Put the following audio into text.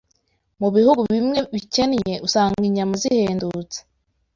Mu bihugu bimwe bikennye, usanga inyama zihendutse.